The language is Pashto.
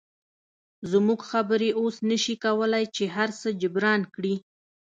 زموږ خبرې اوس نشي کولی چې هرڅه جبران کړي